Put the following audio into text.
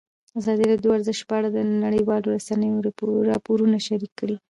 ازادي راډیو د ورزش په اړه د نړیوالو رسنیو راپورونه شریک کړي.